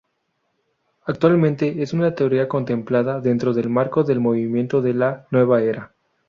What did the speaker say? Actualmente es una teoría contemplada dentro del marco del movimiento de la Nueva Era.